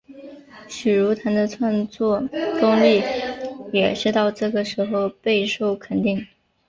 许茹芸的创作功力也是到这个时候备受肯定。